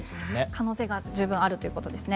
可能性が十分あるということですね。